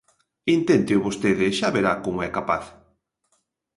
Inténteo vostede, xa verá como é capaz.